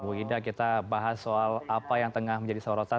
bu ida kita bahas soal apa yang tengah menjadi sorotan